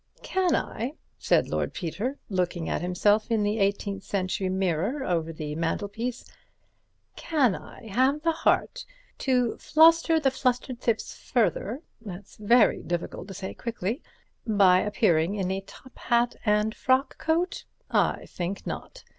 Can I," said Lord Peter, looking at himself in the eighteenth century mirror over the mantelpiece, "can I have the heart to fluster the flustered Thipps further—that's very difficult to say quickly—by appearing in a top hat and frock coat? I think not.